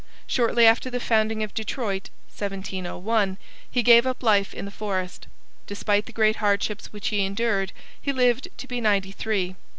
Shortly after the founding of Detroit (1701) he gave up life in the forest. Despite the great hardships which he endured, he lived to be ninety three.